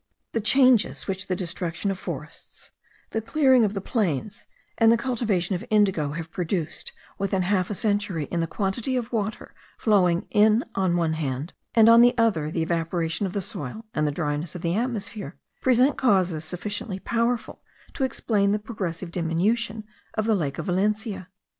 The changes which the destruction of forests, the clearing of plains, and the cultivation of indigo, have produced within half a century in the quantity of water flowing in on the one hand, and on the other the evaporation of the soil, and the dryness of the atmosphere, present causes sufficiently powerful to explain the progressive diminution of the lake of Valencia.